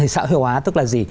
xã hội hóa tức là gì